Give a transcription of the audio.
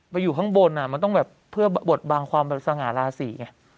ไปอยู่ข้างบนมันต้องมาเพื่อบัดบางความสงราศี